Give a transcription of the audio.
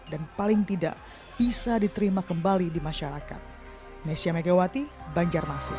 dan paling tidak bisa diterima kembali di masyarakat indonesia melewati banjarmasih